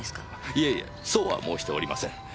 いえいえそうは申しておりません。